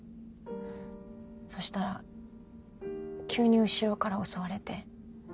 そしたら急に後ろから襲われて。